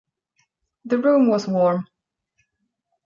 The room was warm.